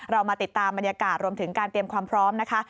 เรามาติดตามบรรยากาศรวมถึงการเตรียมความพร้อมนะคะ